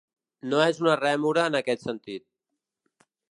No és una rèmora en aquest sentit.